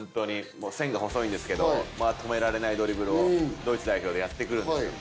線が細いんですけど止められないドリブルをドイツ代表でやってくるんですよ。